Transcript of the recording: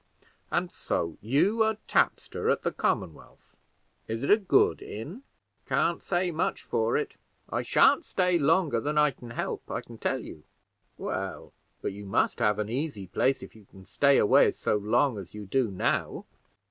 "And so you are tapster at the Commonwealth. Is it a good inn?" "Can't say much for it. I shan't stay longer than I can help, I can tell you." "Well, but you must have an easy place, if you can stay away as long as you do now."